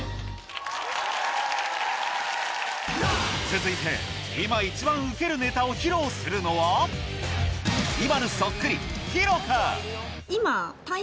続いて今一番ウケるネタを披露するのは今。